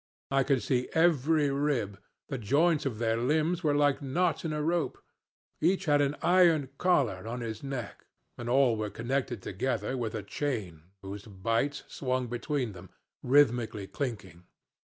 I could see every rib, the joints of their limbs were like knots in a rope; each had an iron collar on his neck, and all were connected together with a chain whose bights swung between them, rhythmically clinking.